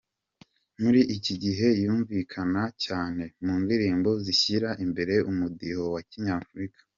Muri iki gihe yumvikana cyane mu ndirimbo zishyira imbere umudiho wa kinyafurika.